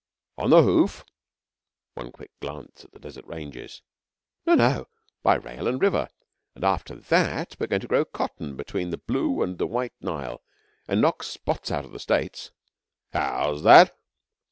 'On the hoof?' One quick glance at the Desert ranges. 'No, no! By rail and River. And after that we're going to grow cotton between the Blue and the White Nile and knock spots out of the States.' 'Ha ow's that?'